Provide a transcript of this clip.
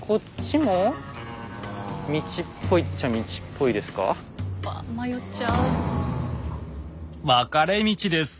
分かれ道です。